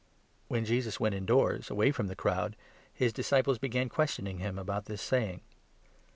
When Jesus went indoors, away from the crowd, his disciples began questioning him about this saying.